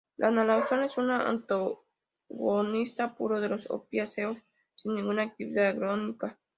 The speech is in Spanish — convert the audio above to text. La naloxona es un antagonista puro de los opiáceos sin ninguna actividad agonista.